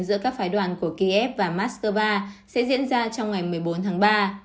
giữa các phái đoàn của kiev và moscow sẽ diễn ra trong ngày một mươi bốn tháng ba